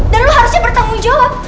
dan lu harusnya bertanggung jawab